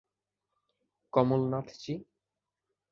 কমল নাথ জী?